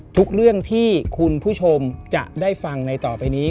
ทุกเรื่องที่คุณผู้ชมจะได้ฟังในต่อไปนี้